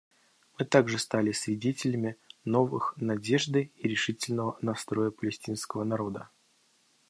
Мы также стали свидетелями новых надежды и решительного настроя палестинского народа.